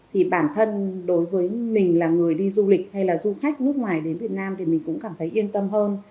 thì bản thân đối với mình là người đi du lịch hay là du khách nước ngoài đến việt nam thì mình cũng cảm thấy yên tâm hơn